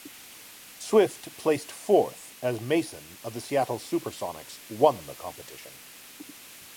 Swift placed fourth as Mason, of the Seattle SuperSonics, won the competition.